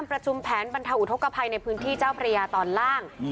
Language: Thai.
ประชุมแผนบรรเทาอุทธกภัยในพื้นที่เจ้าพระยาตอนล่าง